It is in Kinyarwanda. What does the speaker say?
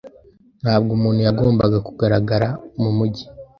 Ntabwo umuntu yagombaga kugaragara mumujyi.